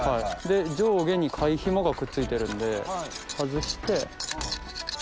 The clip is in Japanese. で上下に貝ヒモがくっついてるので外して。